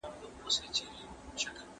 ورځه خپله مزدوري دي ترې جلا كه